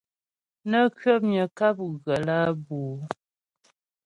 Nə kwəpnyə ŋkáp ghə̀ lǎ bǔ ?